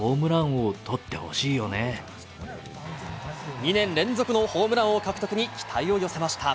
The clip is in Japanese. ２年連続のホームラン王獲得に期待を寄せました。